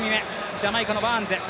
ジャマイカのバーン。